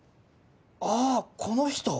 ああこの人！